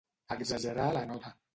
Exagerar la nota.